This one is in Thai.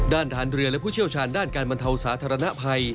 ทหารเรือและผู้เชี่ยวชาญด้านการบรรเทาสาธารณภัย